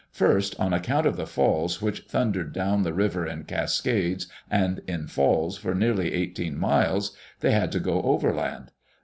First, on account of the falls which thundered down the river in cascades and in falls for nearly eighteen miles, they had to go overland.